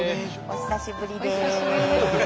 お久しぶりです。